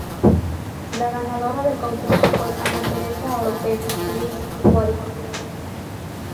La ganadora del concurso fue Ana Teresa Oropeza, Miss Guárico.